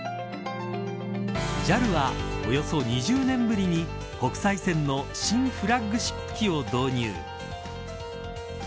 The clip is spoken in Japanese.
ＪＡＬはおよそ２０年ぶりに国際線の新フラッグシップ機を導入。